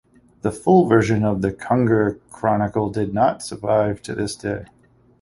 The full version of the Kungur Chronicle did not survive to this day.